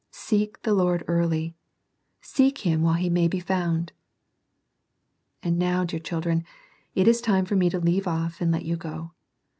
Oh, seek the Lord early ! Seek Him while He may be found. And now, dear children, it is time for me to leave off and let you go.